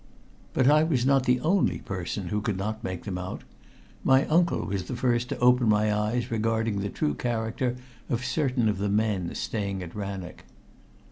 But I was not the only person who could not make them out. My uncle was the first to open my eyes regarding the true character of certain of the men staying at Rannoch.